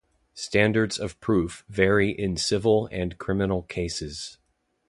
Standards of proof vary in civil and criminal cases.